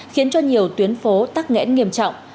khiến cho nhiều tuyến phố tắc nghẽn nghiêm trọng